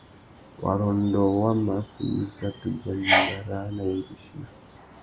Warrôndô wa mà su mitsa tu bia mbîmbà râā nà yêndzichina.